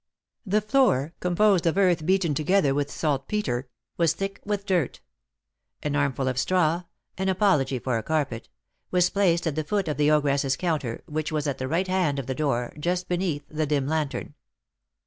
The floor, composed of earth beaten together with saltpetre, was thick with dirt; an armful of straw an apology for a carpet was placed at the foot of the ogress's counter, which was at the right hand of the door, just beneath the dim lantern.